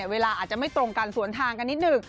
เวลาอาจจะไม่ตรงกันสวนทางกันนิดหนึ่ง